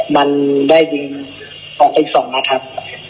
มันได้ยิงออกไปอีก๒นัดครับ